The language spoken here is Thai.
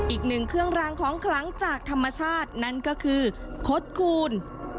อีกหนึ่งเครื่องรางของคลังจากธรรมชาตินั่นก็คือคดคูณ